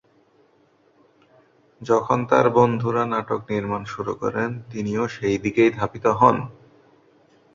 যখন তার বন্ধুরা নাটক নির্মাণ শুরু করেন, তিনিও সেই দিকেই ধাবিত হন।